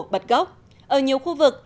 bật gốc ở nhiều khu vực